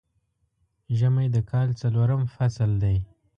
ژمی د کال څلورم فصل دی